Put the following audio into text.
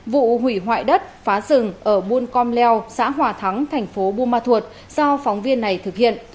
vụ hủy hoại đất phá rừng ở buôn com leo xã hòa thắng thành phố buôn ma thuột do phóng viên này thực hiện